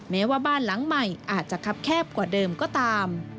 แม้ว่าบ้านหลังใหม่อาจจะคับแคบกว่าเดิมก็ตาม